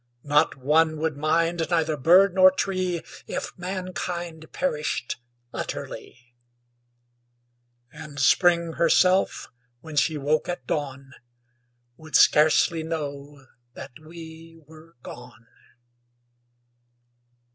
Not one would mind, neither bird nor tree If mankind perished utterly; And Spring herself, when she woke at dawn, Would scarcely know that we were gone.